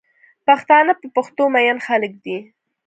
پښتانه په پښتو مئین خلک دی